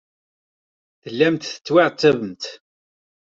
Tellamt tettwaɛettabemt.